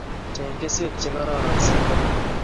Cheng keswek chekororon sikol